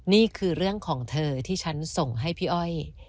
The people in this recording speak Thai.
นี่คือเรื่องของเธอที่ฉันส่งให้พี่อ้อย